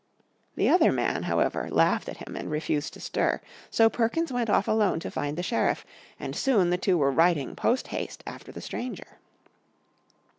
The other man, however, laughed at him, and refused to stir. So Perkins went off alone to find the sheriff, and soon the two were riding posthaste after the stranger.